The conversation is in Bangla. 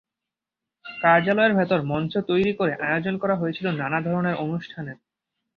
কার্যালয়ের ভেতরে মঞ্চ তৈরি করে আয়োজন করা হয়েছিল নানা ধরনের অনুষ্ঠানের।